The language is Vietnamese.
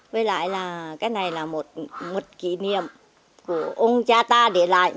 với lại là cái này là một kỷ niệm của ông cha ta để lại